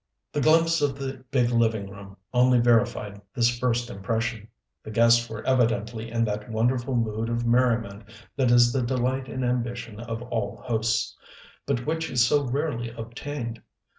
The glimpse of the big living room only verified this first impression. The guests were evidently in that wonderful mood of merriment that is the delight and ambition of all hosts, but which is so rarely obtained.